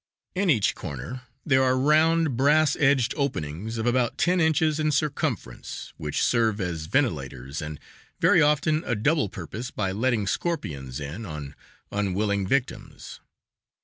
In each corner there are round, brass edged openings of about ten inches in circumference, which serve as ventilators and very often a double purpose by letting scorpions in on unwilling victims.